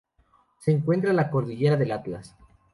Se encuentra en la Cordillera del Atlas.